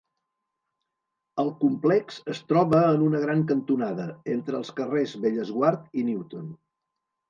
El complex es troba en una gran cantonada, entre els carrers Bellesguard i Newton.